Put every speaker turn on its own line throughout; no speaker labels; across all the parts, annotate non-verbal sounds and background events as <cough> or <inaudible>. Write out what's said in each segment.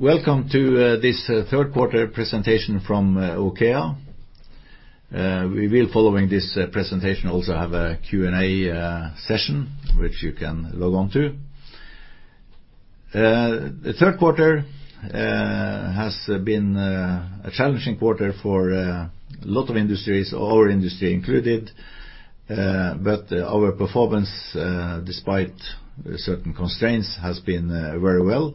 Welcome to this third quarter presentation from OKEA. We will, following this presentation, also have a Q&A session, which you can log on to. The third quarter has been a challenging quarter for a lot of industries, our industry included. Our performance, despite certain constraints, has been very well.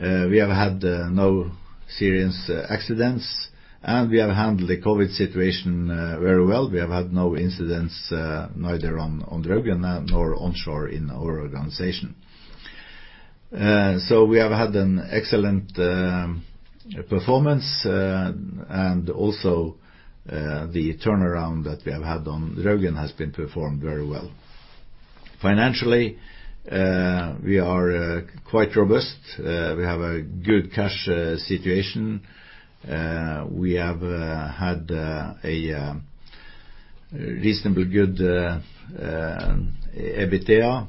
We have had no serious accidents, and we have handled the COVID situation very well. We have had no incidents, neither on Draugen nor onshore in our organization. We have had an excellent performance. Also, the turnaround that we have had on Draugen has been performed very well. Financially, we are quite robust. We have a good cash situation. We have had a reasonably good EBITDA.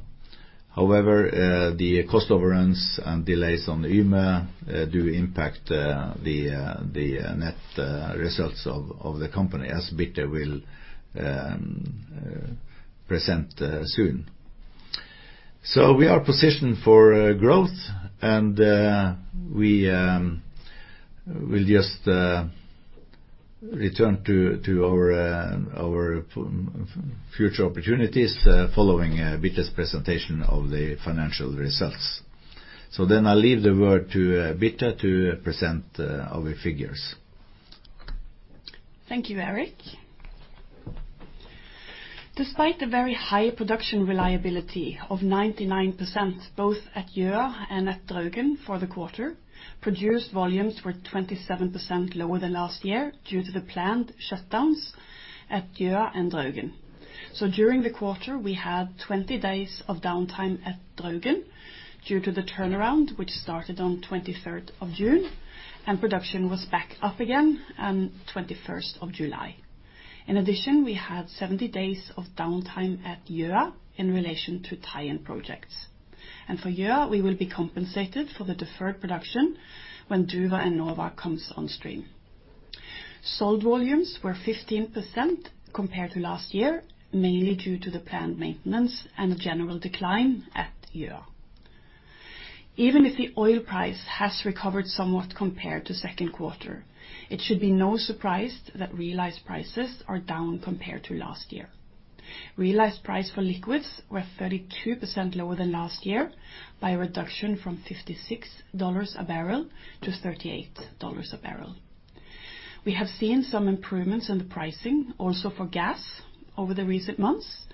However, the cost overruns and delays on Yme do impact the net results of the company, as Birte will present soon. We are positioned for growth, and we will just return to our future opportunities following Birte's presentation of the financial results. I leave the word to Birte to present our figures.
Thank you, Erik. Despite the very high production reliability of 99%, both at Gjøa and at Draugen for the quarter, produced volumes were 27% lower than last year due to the planned shutdowns at Gjøa and Draugen. During the quarter, we had 20 days of downtime at Draugen due to the turnaround, which started on 23rd of June, and production was back up again on 21st of July. In addition, we had 70 days of downtime at Gjøa in relation to tie-in projects. For Gjøa, we will be compensated for the deferred production when Duva and Nova comes on stream. Sold volumes were 15% compared to last year, mainly due to the planned maintenance and a general decline at Gjøa. Even if the oil price has recovered somewhat compared to second quarter, it should be no surprise that realized prices are down compared to last year. Realized price for liquids were 32% lower than last year, by a reduction from $56 a barrel to $38 a barrel. We have seen some improvements in the pricing also for gas over the recent months.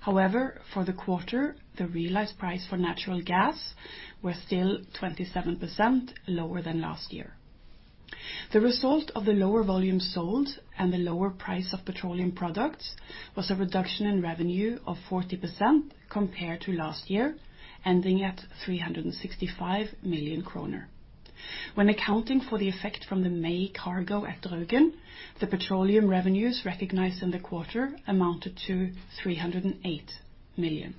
However, for the quarter, the realized price for natural gas were still 27% lower than last year. The result of the lower volume sold and the lower price of petroleum products was a reduction in revenue of 40% compared to last year, ending at 365 million kroner. When accounting for the effect from the May cargo at Draugen, the petroleum revenues recognized in the quarter amounted to 308 million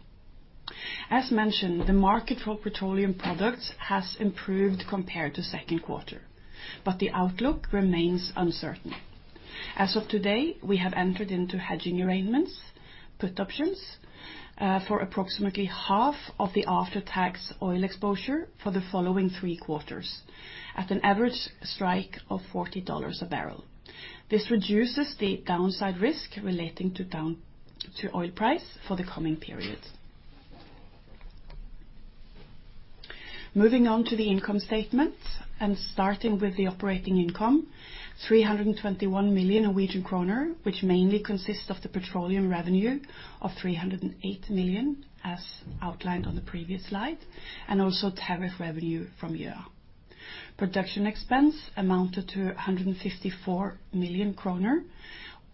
NOK. As mentioned, the market for petroleum products has improved compared to second quarter, but the outlook remains uncertain. As of today, we have entered into hedging arrangements, put options, for approximately half of the after-tax oil exposure for the following three quarters, at an average strike of $40 a barrel. This reduces the downside risk relating to oil price for the coming period. Moving on to the income statement and starting with the operating income, 321 million Norwegian kroner, which mainly consists of the petroleum revenue of 308 million, as outlined on the previous slide, and also tariff revenue from Gjøa. Production expense amounted to 154 million kroner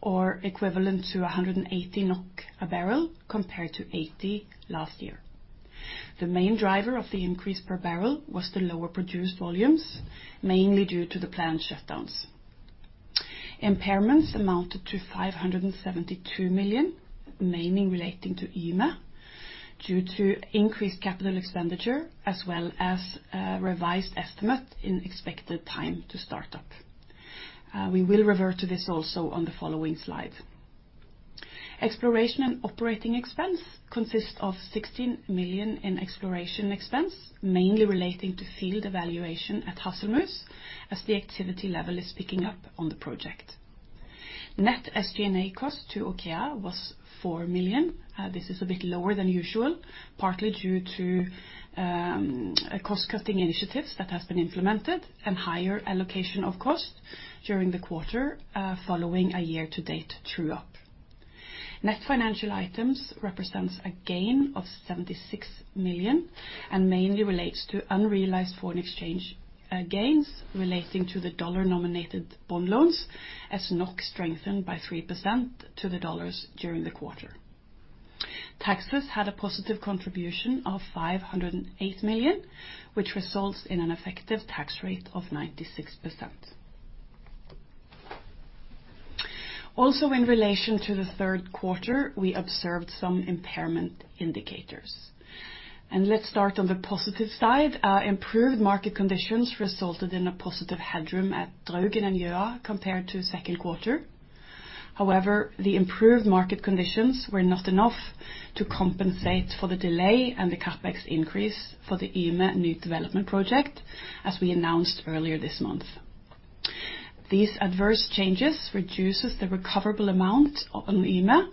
or equivalent to 180 NOK a barrel compared to 80 last year. The main driver of the increase per barrel was the lower produced volumes, mainly due to the planned shutdowns. Impairments amounted to 572 million, mainly relating to Yme, due to increased capital expenditure as well as a revised estimate in expected time to start up. We will revert to this also on the following slide. Exploration and operating expense consists of 16 million in exploration expense, mainly relating to field evaluation at Hasselmus as the activity level is picking up on the project. Net SD&A cost to OKEA was 4 million. This is a bit lower than usual, partly due to cost-cutting initiatives that have been implemented and higher allocation of cost during the quarter, following a year-to-date true up. Net financial items represents a gain of 76 million and mainly relates to unrealized foreign exchange gains relating to the dollar nominated bond loans, as NOK strengthened by 3% to the dollars during the quarter. Taxes had a positive contribution of 508 million, which results in an effective tax rate of 96%. Also in relation to the third quarter, we observed some impairment indicators. Let's start on the positive side. Improved market conditions resulted in a positive headroom at Draugen and Gjøa compared to second quarter. The improved market conditions were not enough to compensate for the delay and the CapEx increase for the Yme new development project as we announced earlier this month. These adverse changes reduces the recoverable amount on Yme,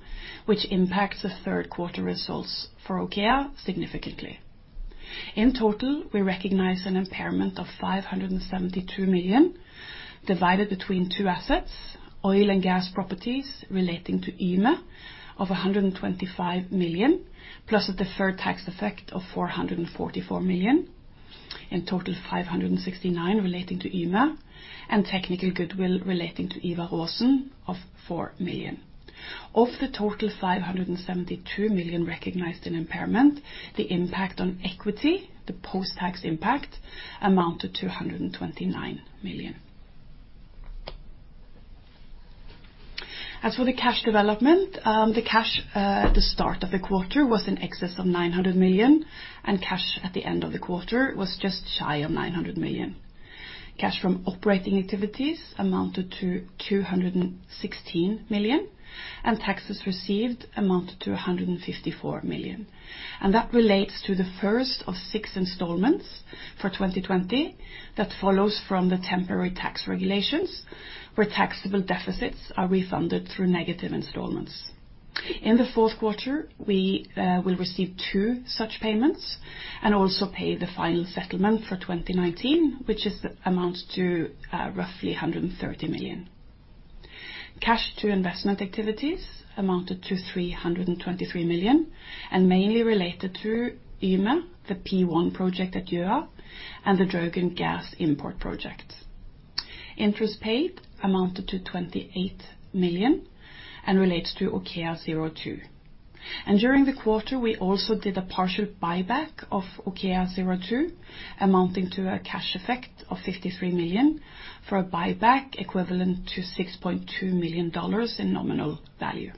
which impacts the third quarter results for OKEA significantly. In total, we recognize an impairment of 572 million, divided between two assets, oil and gas properties relating to Yme of 125 million, plus a deferred tax effect of 444 million. In total, 569 million relating to Yme, and technical goodwill relating to Ivar Aasen of 4 million. Of the total 572 million recognized in impairment, the impact on equity, the post-tax impact, amounted to NOK 129 million. As for the cash development, the cash at the start of the quarter was in excess of 900 million, cash at the end of the quarter was just shy of 900 million. Cash from operating activities amounted to 216 million, taxes received amounted to 154 million. That relates to the first of six installments for 2020 that follows from the temporary tax regulations, where taxable deficits are refunded through negative installments. In the fourth quarter, we will receive two such payments and also pay the final settlement for 2019, which is amounted to roughly 130 million. Cash to investment activities amounted to 323 million mainly related to Yme, the P1 project at Gjøa, and the Draugen gas import project. Interest paid amounted to 28 million relates to OKEA02. During the quarter, we also did a partial buyback of OKEA02, amounting to a cash effect of 53 million for a buyback equivalent to $6.2 million in nominal value.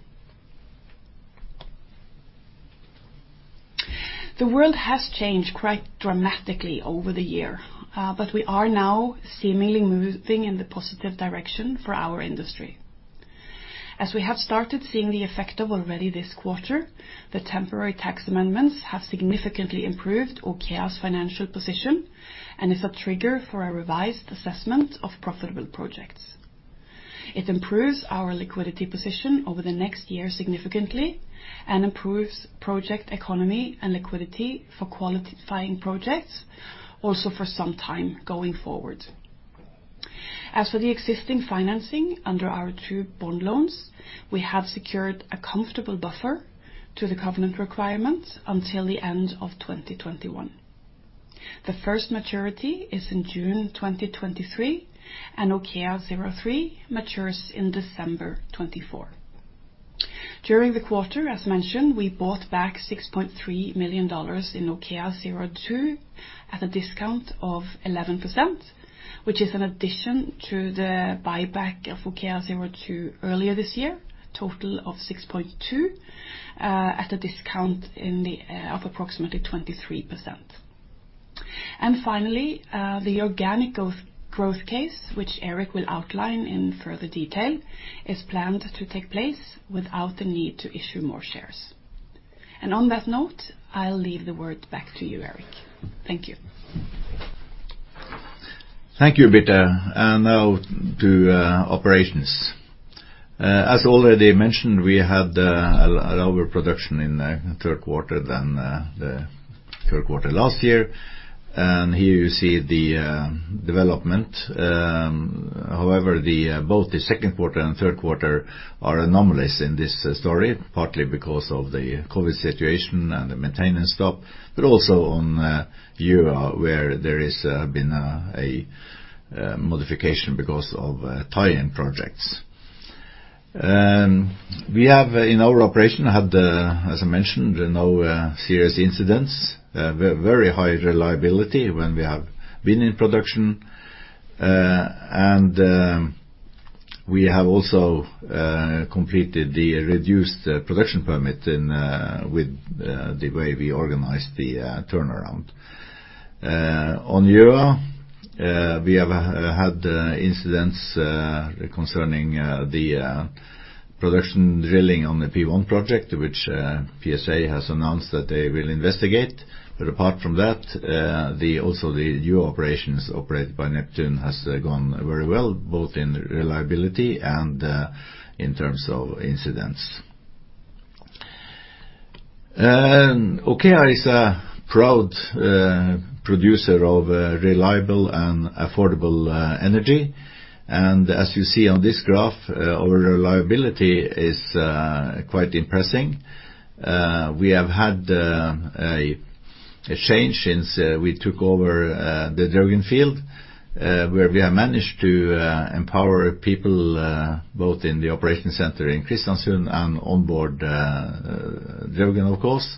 The world has changed quite dramatically over the year, but we are now seemingly moving in the positive direction for our industry. We have started seeing the effect of already this quarter, the temporary tax amendments have significantly improved OKEA's financial position and is a trigger for a revised assessment of profitable projects. It improves our liquidity position over the next year significantly and improves project economy and liquidity for qualifying projects also for some time going forward. For the existing financing under our two bond loans, we have secured a comfortable buffer to the covenant requirements until the end of 2021. The first maturity is in June 2023, and OKEA03 matures in December 2024. During the quarter, as mentioned, we bought back $6.3 million in OKEA02 at a discount of 11%, which is an addition to the buyback of OKEA02 earlier this year, total of $6.2 million, at a discount of approximately 23%. Finally, the organic growth case, which Erik will outline in further detail, is planned to take place without the need to issue more shares. On that note, I'll leave the word back to you, Erik. Thank you.
Thank you, Birte. Now to operations. As already mentioned, we had a lower production in the third quarter than the third quarter last year, and here you see the development. However, both the second quarter and third quarter are anomalies in this story, partly because of the COVID situation and the maintenance stuff, but also on Gjøa where there has been a modification because of tie-in projects. Our operation had, as I mentioned, no serious incidents, very high reliability when we have been in production. We have also completed the reduced production permit with the way we organized the turnaround. On Gjøa, we have had incidents concerning the production drilling on the P1 project, which PSA has announced that they will investigate. Apart from that, also the Gjøa operations operated by Neptune has gone very well, both in reliability and in terms of incidents. OKEA is a proud producer of reliable and affordable energy. As you see on this graph, our reliability is quite impressive. We have had a change since we took over the Draugen field, where we have managed to empower people both in the operation center in Kristiansund and on board Draugen of course,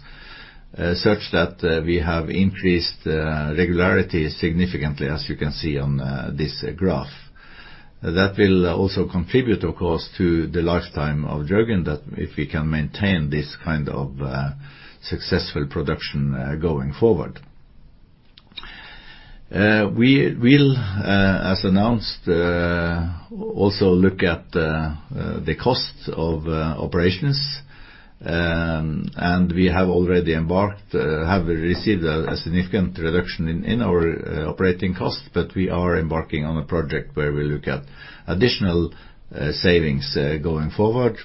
such that we have increased regularity significantly, as you can see on this graph. That will also contribute, of course, to the lifetime of Draugen, if we can maintain this kind of successful production going forward. We will, as announced, also look at the costs of operations, and we have already received a significant reduction in our operating cost, but we are embarking on a project where we look at additional savings going forward.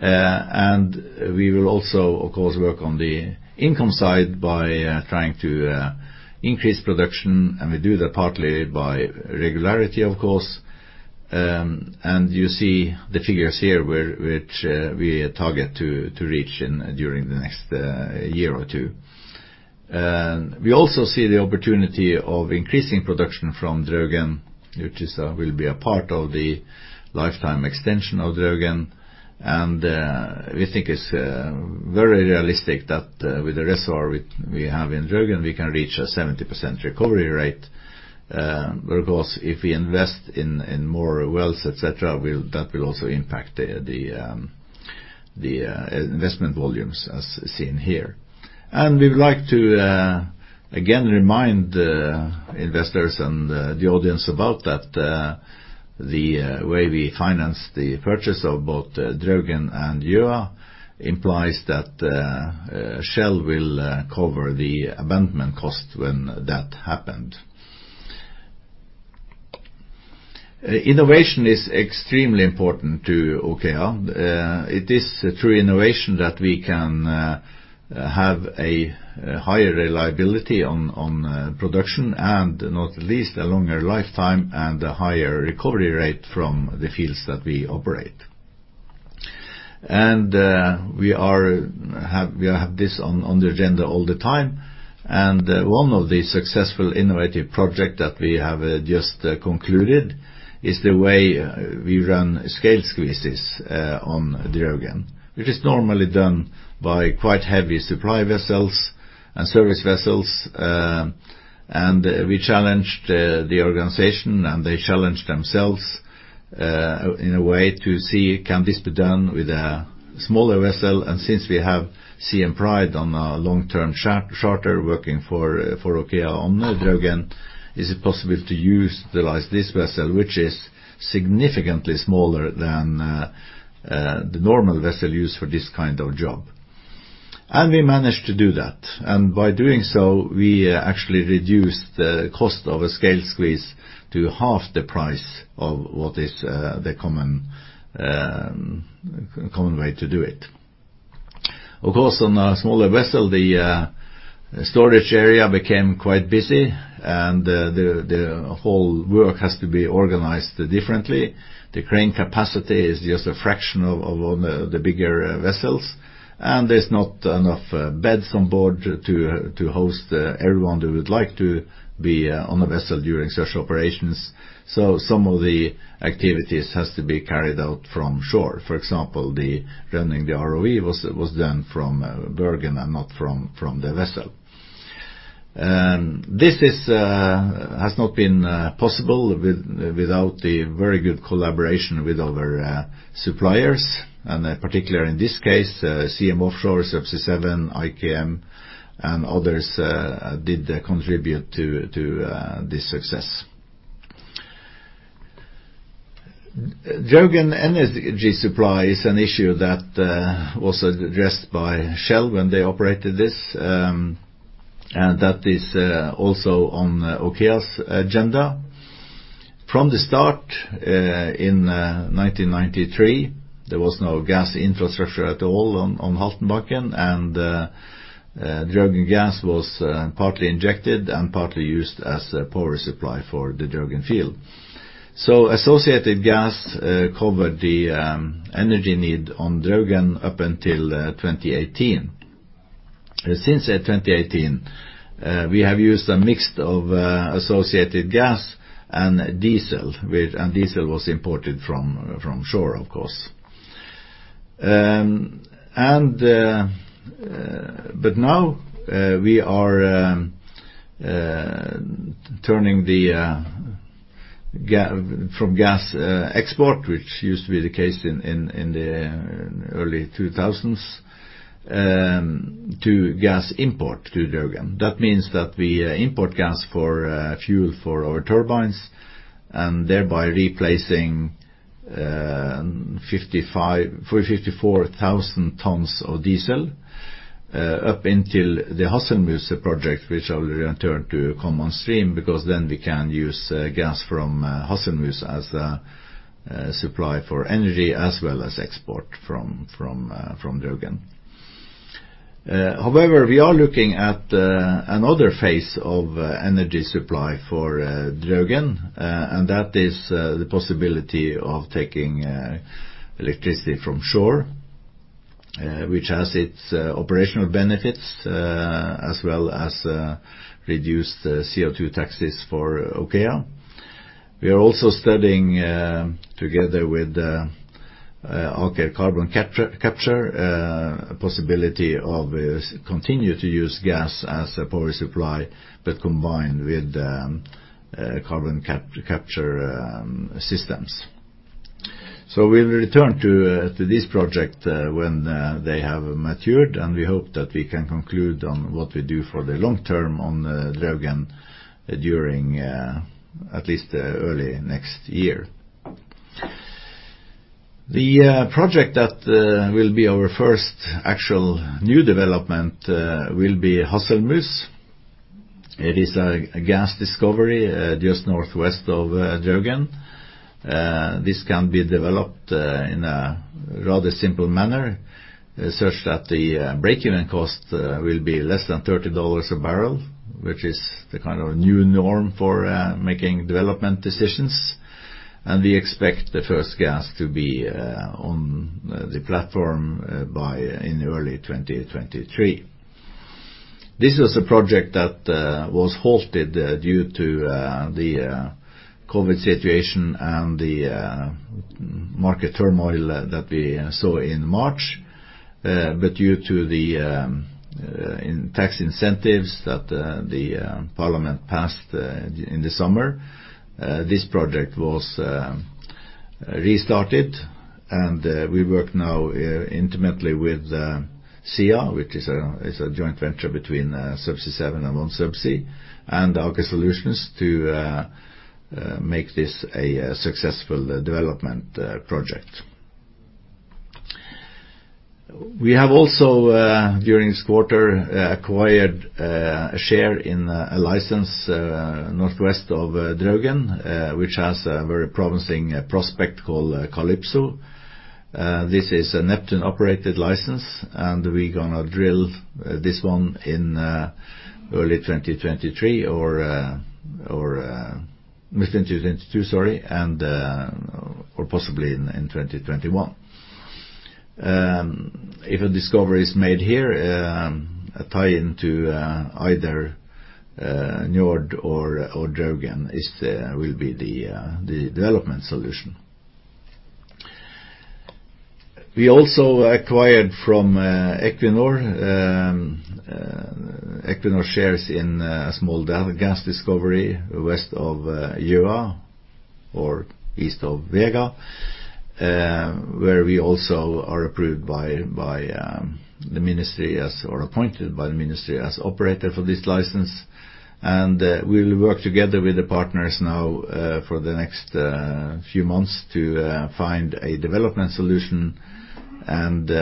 We will also, of course, work on the income side by trying to increase production, and we do that partly by regularity, of course. You see the figures here which we target to reach during the next year or two. We also see the opportunity of increasing production from Draugen, which will be a part of the lifetime extension of Draugen. We think it's very realistic that with the reservoir we have in Draugen, we can reach a 70% recovery rate. Of course, if we invest in more wells, et cetera, that will also impact the investment volumes as seen here. We would like to, again, remind investors and the audience about that the way we finance the purchase of both Draugen and Gjøa implies that Shell will cover the abandonment cost when that happened. Innovation is extremely important to OKEA. It is through innovation that we can have a higher reliability on production and not least, a longer lifetime and a higher recovery rate from the fields that we operate. We have this on the agenda all the time. One of the successful innovative project that we have just concluded is the way we run scale squeezes on Draugen, which is normally done by quite heavy supply vessels and service vessels. We challenged the organization, and they challenged themselves in a way to see, can this be done with a smaller vessel? Since we have Siem Pride on a long-term charter working for OKEA on Draugen, is it possible to utilize this vessel, which is significantly smaller than the normal vessel used for this kind of job? We managed to do that. By doing so, we actually reduced the cost of a scale squeeze to half the price of what is the common way to do it. Of course, on a smaller vessel, the storage area became quite busy and the whole work has to be organized differently. The crane capacity is just a fraction of one of the bigger vessels, and there's not enough beds on board to host everyone who would like to be on a vessel during such operations. Some of the activities has to be carried out from shore. For example, running the ROE was done from Bergen and not from the vessel. This has not been possible without the very good collaboration with our suppliers, and particularly in this case, Siem Offshore, Subsea 7, IKM, and others did contribute to this success. Draugen energy supply is an issue that was addressed by Shell when they operated this. That is also on OKEA's agenda. From the start in 1993, there was no gas infrastructure at all on Haltenbanken, and Draugen gas was partly injected and partly used as a power supply for the Draugen field. Associated gas covered the energy need on Draugen up until 2018. Since 2018, we have used a mix of associated gas and diesel, and diesel was imported from shore, of course. Now we are turning from gas export, which used to be the case in the early 2000s, to gas import to Draugen. That means that we import gas for fuel for our turbines and thereby replacing 54,000 tons of diesel up until the Hasselmus project which I will return to come on stream, because then we can use gas from Hasselmus as a supply for energy as well as export from Draugen. However, we are looking at another phase of energy supply for Draugen, and that is the possibility of taking electricity from shore, which has its operational benefits, as well as reduced CO2 taxes for OKEA. We are also studying together with Aker Carbon Capture, a possibility of continue to use gas as a power supply, but combined with carbon capture systems. We will return to this project when they have matured, and we hope that we can conclude on what we do for the long term on Draugen during at least early next year. The project that will be our first actual new development will be Hasselmus. It is a gas discovery just northwest of Draugen. This can be developed in a rather simple manner, so that the breakeven cost will be less than $30 a barrel, which is the kind of new norm for making development decisions. We expect the first gas to be on the platform by in early 2023. This was a project that was halted due to the COVID situation and the market turmoil that we saw in March. Due to the tax incentives that the Parliament passed in the summer, this project was restarted and we work now intimately with SIA, which is a joint venture between Subsea 7 and OneSubsea, and Aker Solutions to make this a successful development project. We have also during this quarter, acquired a share in a license northwest of Draugen, which has a very promising prospect called Calypso. This is a Neptune-operated license, and we're going to drill this one in early 2023 or mid-2022, sorry, and/or possibly in 2021. If a discovery is made here, a tie-in to either Njord or Draugen will be the development solution. We also acquired from Equinor, Equinor shares in a small gas discovery west of Gjøa or east of Vega, where we also are approved by the ministry or appointed by the ministry as operator for this license. We will work together with the partners now for the next few months to find a development solution. The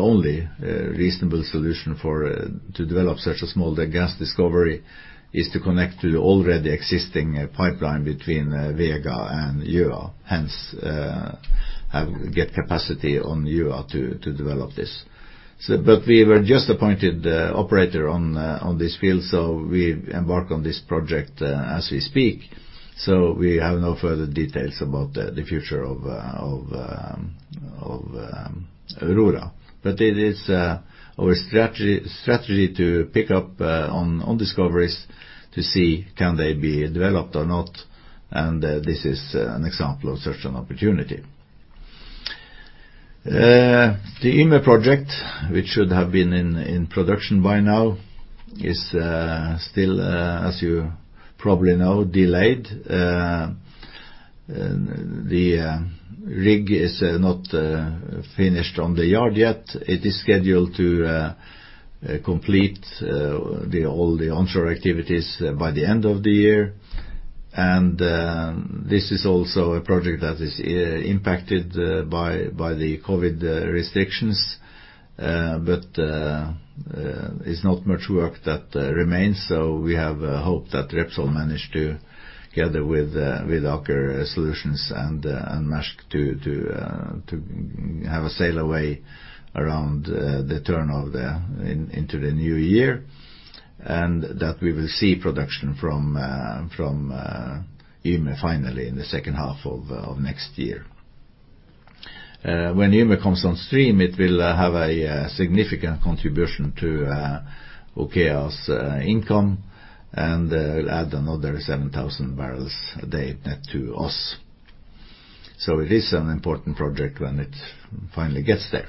only reasonable solution to develop such a small gas discovery is to connect to already existing pipeline between Vega and Gjøa, hence, get capacity on Gjøa to develop this. We were just appointed operator on this field, so we embark on this project as we speak. We have no further details about the future of Gjøa. It is our strategy to pick up on discoveries to see can they be developed or not, and this is an example of such an opportunity. The Yme project, which should have been in production by now, is still, as you probably know, delayed. The rig is not finished on the yard yet. It is scheduled to complete all the onshore activities by the end of the year. This is also a project that is impacted by the COVID restrictions. It's not much work that remains, so we have hope that Repsol manage to gather with Aker Solutions and Maersk to have a sail away around the turn of into the new year, and that we will see production from Yme finally in the second half of next year. When Yme comes on stream, it will have a significant contribution to OKEA's income and add another 7,000 barrels a day to us. It is an important project when it finally gets there.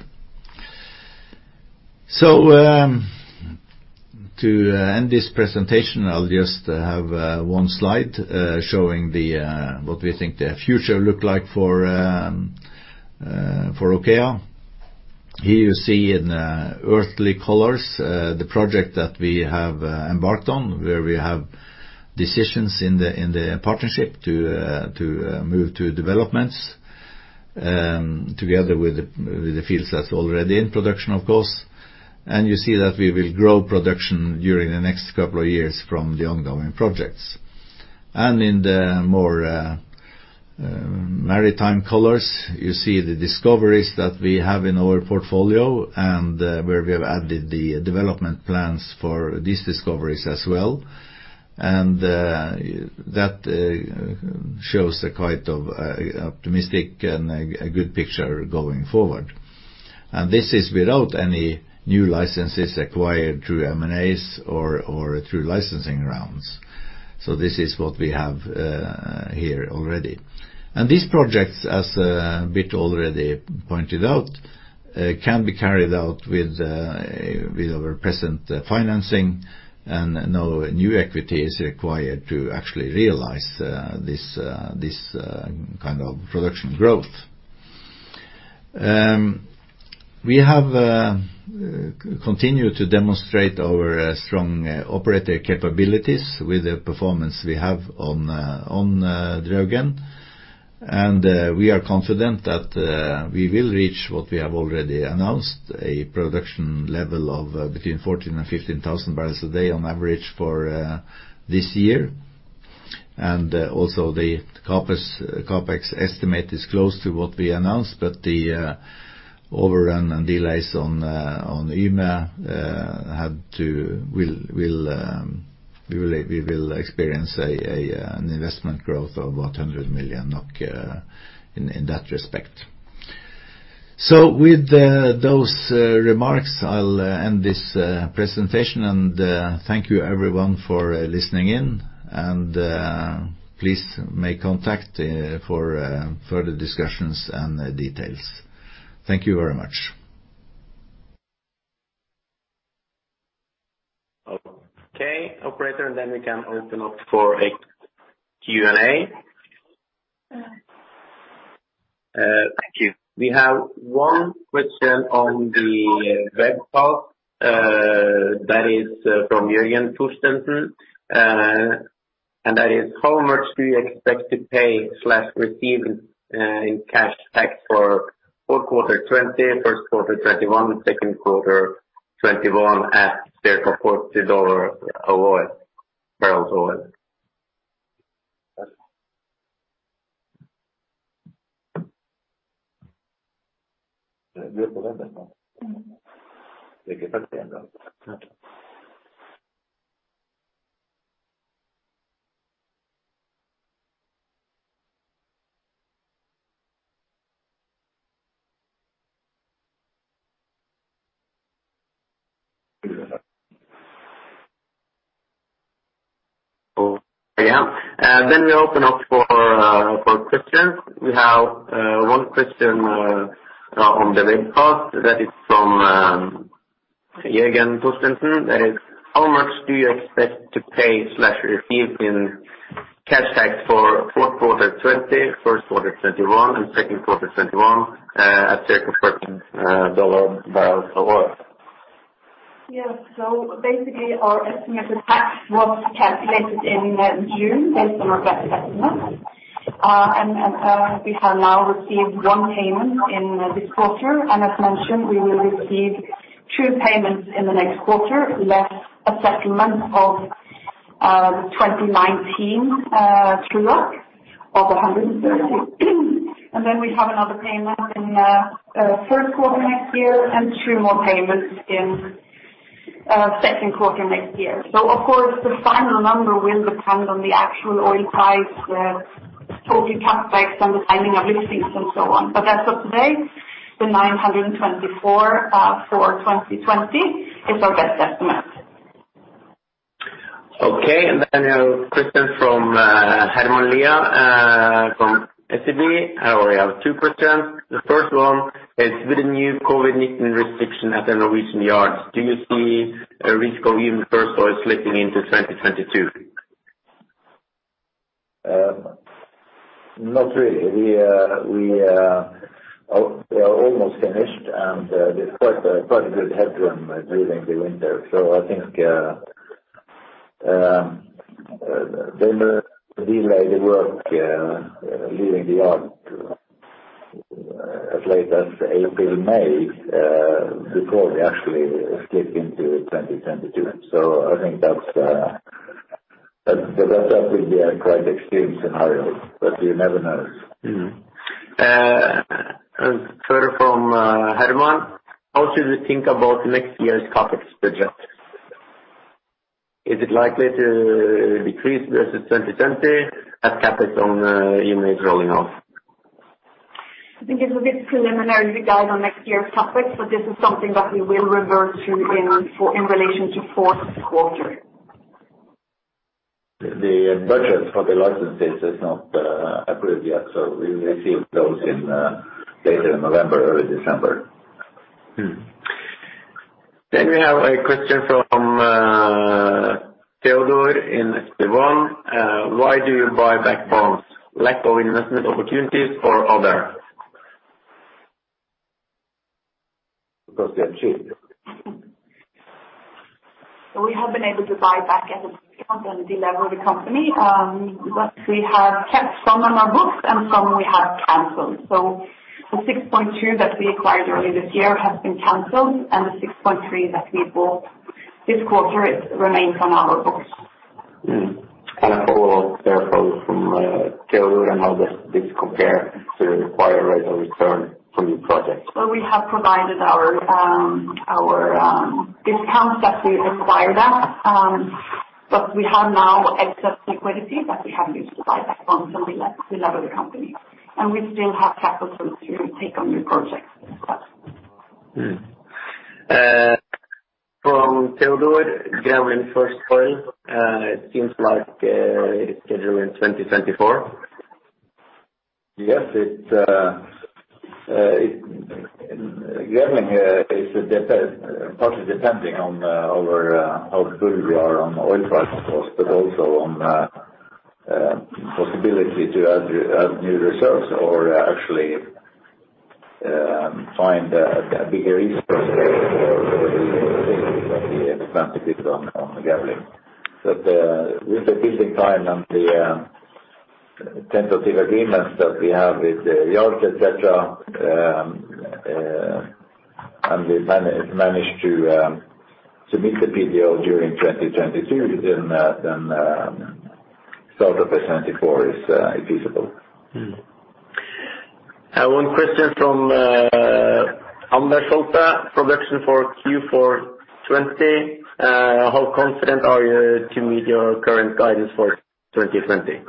To end this presentation, I'll just have one slide showing what we think the future look like for OKEA. Here you see in earthly colors the project that we have embarked on, where we have decisions in the partnership to move to developments, together with the fields that's already in production, of course. You see that we will grow production during the next couple of years from the ongoing projects. In the more maritime colors, you see the discoveries that we have in our portfolio and where we have added the development plans for these discoveries as well. That shows quite an optimistic and a good picture going forward. This is without any new licenses acquired through M&As or through licensing rounds. This is what we have here already. These projects, as Birte already pointed out, can be carried out with our present financing and no new equity is required to actually realize this kind of production growth. We have continued to demonstrate our strong operator capabilities with the performance we have on Draugen. We are confident that we will reach what we have already announced, a production level of between 14,000 and 15,000 barrels a day on average for this year. Also the CapEx estimate is close to what we announced, but the overrun and delays on Yme, we will experience an investment growth of 100 million in that respect. With those remarks, I'll end this presentation, and thank you everyone for listening in, and please make contact for further discussions and details. Thank you very much.
Okay. Operator, we can open up for a Q&A. Thank you. We have one question on the web call that is from Jørgen Torstensen., and that is, how much do you expect to pay/receive in cash tax for fourth quarter 2020, first quarter 2021, second quarter 2021 at $40 barrels of oil? Yeah. We open up for questions. We have one question on the web call that is from Jørgen Torstensen., that is, how much do you expect to pay/receive in cash tax for fourth quarter 2020, first quarter 2021, and second quarter 2021 at $40 barrels of oil?
Yeah. Basically our estimate of tax was calculated in June based on our best estimate. We have now received one payment in this quarter. As mentioned, we will receive two payments in the next quarter, less a settlement of 2019 <audio distortion> of 130. We have another payment in first quarter next year and two more payments in second quarter next year. Of course, the final number will depend on the actual oil price, the total CapEx and the timing of listings and so on. As of today, the 924 for 2020 is our best estimate.
A question from Halvor Nygård from SEB. We have two questions. The first one is, with the new COVID-19 restriction at the Norwegian yards, do you see a risk of <audio distortion> first oil slipping into 2022?
Not really. We are almost finished, and there's quite a good headroom during the winter. I think they may delay the work leaving the yard as late as April, May before they actually slip into 2022. I think that would be a quite extreme scenario, but you never know.
Mm-hmm. Further from Halvor: how should we think about next year's CapEx project? Is it likely to decrease versus 2020 as CapEx on Yme is rolling off?
I think it's a bit preliminary to guide on next year's CapEx, but this is something that we will revert to in relation to fourth quarter.
The budget for the licenses is not approved yet, so we will receive those in later November, early December.
We have a question from Teodor in SB1. Why do you buy back bonds? Lack of investment opportunities or other?
Because they are cheap.
We have been able to buy back at a discount and delever the company. We have kept some on our books and some we have canceled. The $6.2 million that we acquired early this year has been canceled, and the $6.3 million that we bought this quarter remains on our books.
A follow-up there from Teodor on how this compare to required rate of return from your project?
We have provided our discounts that we acquired. <audio distortion> We have now excess liquidity that we have used to buy back bonds and delever the company. We still have capital to take on new projects.
From Teodor, regarding first oil it seems like it's scheduled in 2024?
Yes. It is, Grevling is partly depending on how good we are on oil price, of course, but also on. Possibility to add new reserves or actually find a bigger <audio distortion> there on the Grevling. With the billing time and the tentative agreements that we have with the yards, et cetera, and we managed to submit the PDO during 2022, start-up in 2024 is feasible.
One question from Anders Holte, production for Q4 2020. How confident are you to meet your current guidance for 2020?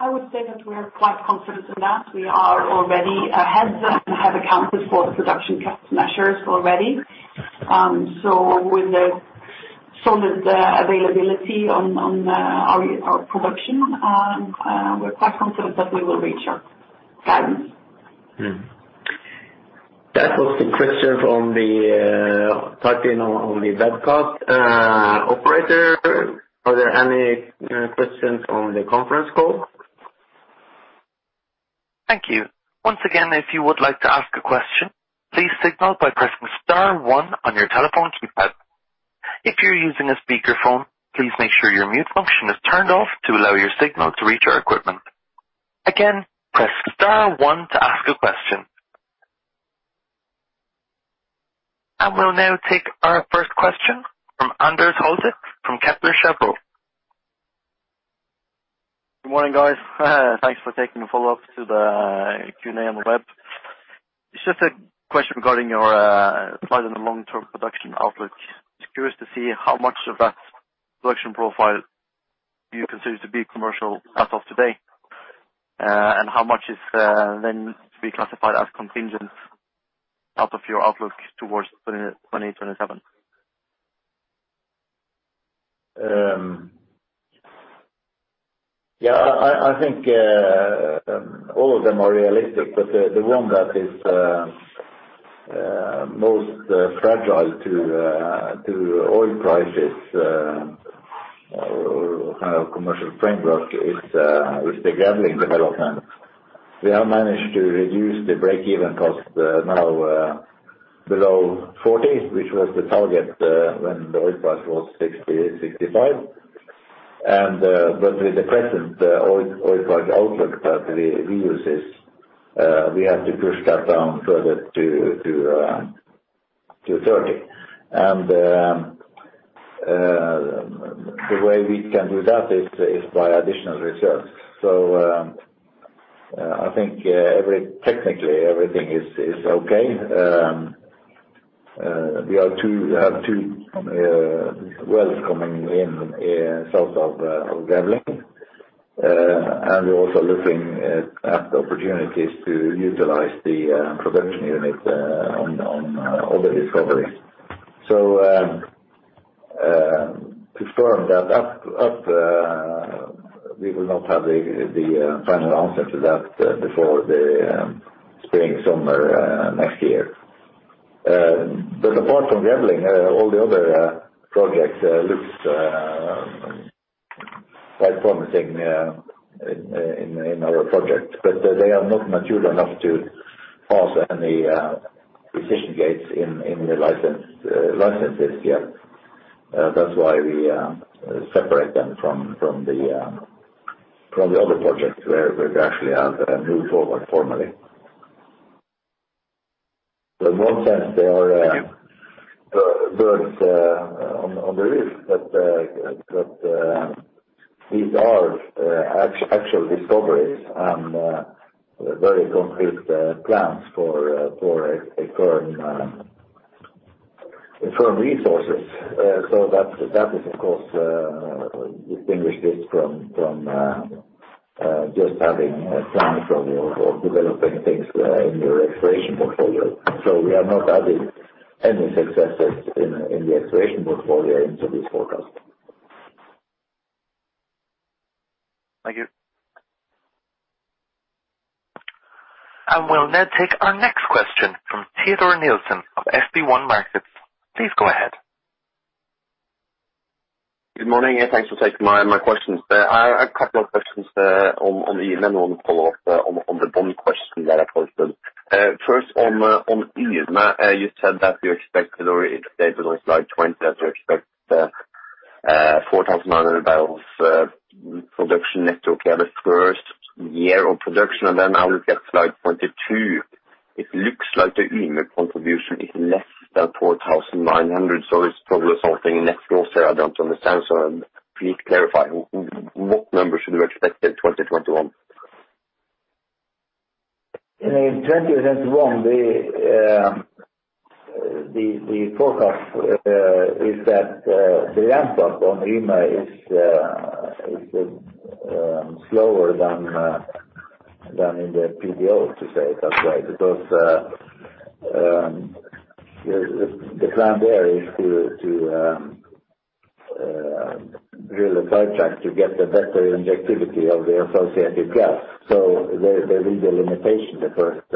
I would say that we're quite confident in that. We are already ahead and have accounted for production cost measures already. With a solid availability on our production, we're quite confident that we will reach our guidance.
That was the question from the type-in on the webcast. Operator, are there any questions on the conference call?
Thank you. Once again, if you would like to ask a question, please signal by pressing star one on your telephone keypad. If you're using a speakerphone, please make sure your mute function is turned off to allow your signal to reach our equipment. Again, press star one to ask a question. We'll now take our first question from Anders Holte from Kepler Cheuvreux.
Good morning, guys. Thanks for taking the follow-up to the Q&A on the web. It's just a question regarding your slide on the long-term production outlook. Just curious to see how much of that production profile you consider to be commercial as of today. How much is then to be classified as contingent out of your outlook towards 2027?
I think all of them are realistic, but the one that is most fragile to oil prices, or kind of commercial framework is the Grevling development. We have managed to reduce the break-even cost now below $40, which was the target when the oil price was $60, $65. With the present oil price outlook that we use, we have to push that down further to $30. The way we can do that is by additional reserves. I think technically everything is okay. We have two wells coming in south of Grevling. We're also looking at opportunities to utilize the production unit on other discoveries. To confirm that up, we will not have the final answer to that before the spring, summer next year. Apart from Grevling, all the other projects looks quite promising in our project. They are not mature enough to pass any decision gates in the license this year. That's why we separate them from the other projects where we actually have moved forward formally. In one sense, they, <audio distortion> but these are actual discoveries and very concrete plans for confirmed resources. That is, of course, distinguish this from just having plans or developing things in your exploration portfolio. We are not adding any successes in the exploration portfolio into this forecast.
Thank you.
We'll now take our next question from Teodor Nilsen of SB1 Markets. Please go ahead.
Good morning, thanks for taking my questions. I have a couple of questions on the Yme, and one follow up on the one question that I posted. First on Yme, you said that you expect, or it stated on slide 20 that you expect 4,900 barrels production net to OKEA the first year of production. Now looking at slide 22, it looks like the Yme contribution is less than 4,900. It's probably resulting in net <audio distortion> there I don't understand. Please clarify what numbers should we expect in 2021?
In 2021, the forecast is that the ramp-up on Yme is slower than in the PDO, to say it that way. The plan there is to drill a sidetrack to get the better injectivity of the associated gas. There is a limitation the first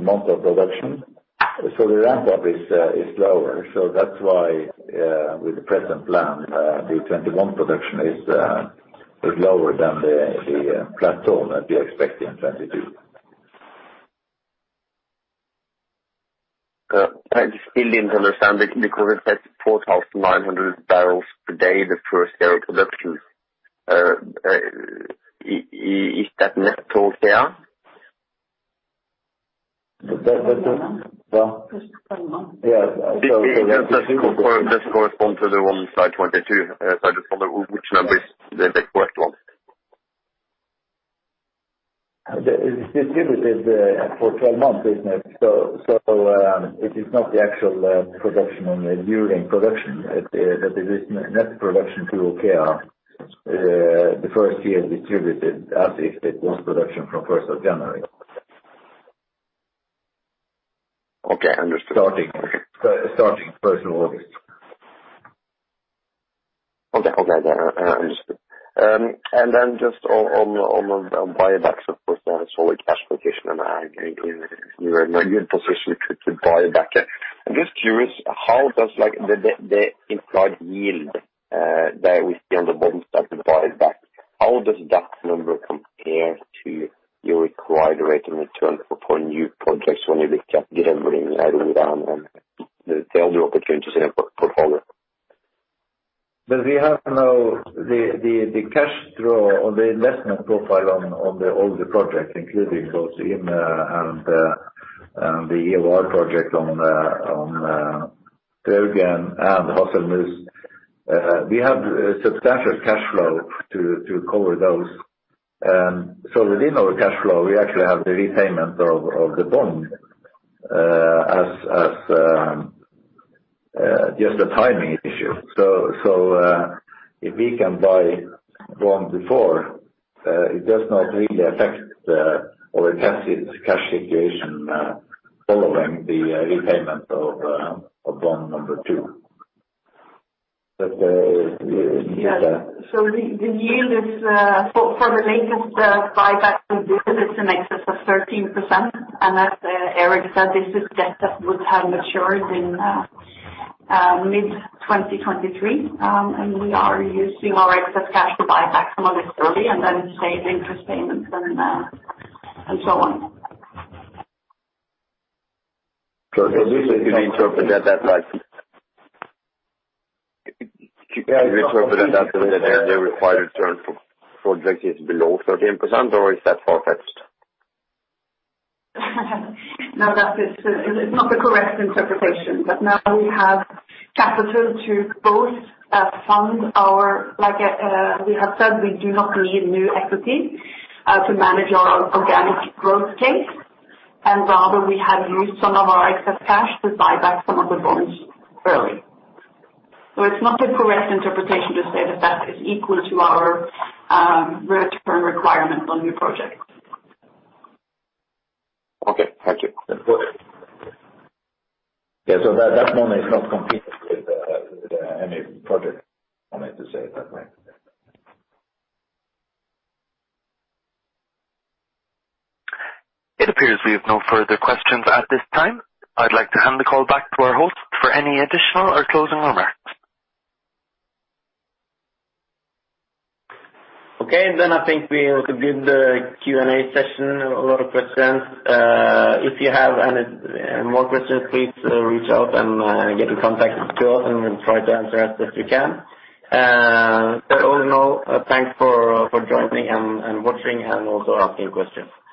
month of production. The ramp up is lower. That's why with the present plan, the 2021 production is lower than the plateau that we expect in 2022.
I just didn't understand it because it said 4,900 bpd, the first year of production. Is that net to OKEA?
<crosstalk>
This correspond to the one slide 22. I just wonder which numbers is the correct one?
It's distributed for 12 months, isn't it? It is not the actual production during production. That is net production to OKEA, the first year distributed as if it was production from 1st of January.
Okay, understood.
Starting first of August.
Okay. Yeah, understood. Just on buybacks, of course, solid cash position and you are in a good position to buy back. I am just curious, how does the implied yield that we see on the bottom side, the buyback, how does that number compare to your required rate of return for new projects when you look at delivering <audio distortion> and the other opportunities in your portfolio?
We have now the cash draw on the investment profile on the older projects, including those in and the Gjøa project on Draugen and Hasselmus. We have substantial cash flow to cover those. Within our cash flow, we actually have the repayment of the bond as just a timing issue. If we can buy bond before, it does not really affect our cash situation following the repayment of bond number two.
Yeah. The yield is for the latest buyback, this is in excess of 13%. As Erik said, this is debt that would have matured in mid-2023. We are using our excess cash to buy back some of it early and then save interest payments and so on.
You interpret that as the <audio distortion> for project is below 13%, or is that far-fetched?
No, that is not the correct interpretation. Now we have capital to both. We do not need new equity to manage our organic growth case. Rather we have used some of our excess cash to buy back some of the bonds early. It's not the correct interpretation to say that that is equal to our return requirement on new projects.
Okay, thank you.
Yeah. That money is not competing with any project money, to say it that way.
It appears we have no further questions at this time. I'd like to hand the call back to our host for any additional or closing remarks.
Okay, I think we did a good Q&A session, a lot of questions. If you have any more questions, please reach out and get in contact with us and we'll try to answer as best we can. All in all, thanks for joining and watching and also asking questions. Thank you.